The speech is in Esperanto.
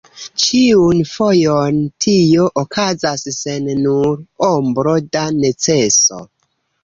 Ĉiun fojon tio okazas sen nur ombro da neceso.